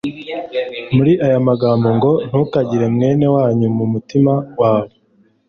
muri aya magambo ngo : "Ntukangire mwene wanyu mu mutima wawe,